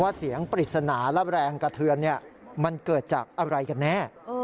เสียงปริศนาและแรงกระเทือนมันเกิดจากอะไรกันแน่